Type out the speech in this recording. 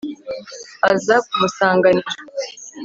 aza kumusanganira